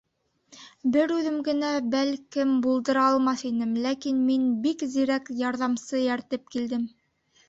— Бер үҙем генә, бәлкем, булдыра алмаҫ инем, ләкин мин бик зирәк ярҙамсы эйәртеп килдем.